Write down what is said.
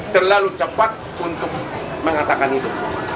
terlalu cepat untuk mengatakan itu